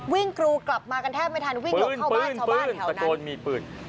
วิ่งกรูกลับมากันแทบไม่ทันวิ่งหลบเข้าบ้านชาวบ้านแถวนั้น